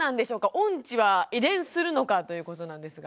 音痴は遺伝するのかということなんですが。